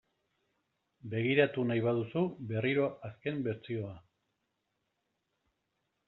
Begiratu nahi baduzu berriro azken bertsioa .